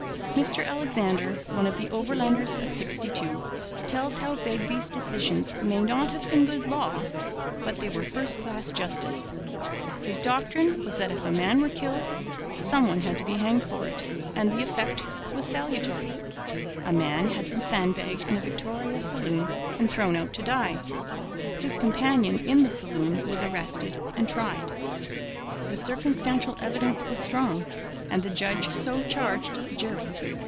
Mr Alexander, one of the Overlanders of '62, tells how 'Begbie's decisions may not have been good law, but they were first class justice.' His 'doctrine was that if a man were killed, some one had to be hanged for it; and the effect was salutary.' A man had been sandbagged in a Victoria saloon and thrown out to die. His companion in the saloon was arrested and tried. The circumstantial evidence was strong, and the judge so charged the jury.